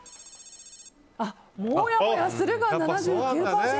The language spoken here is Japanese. もやもやするが７９％。